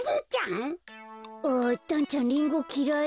あだんちゃんリンゴきらい？